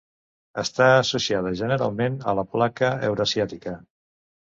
Està associada generalment a la placa eurasiàtica.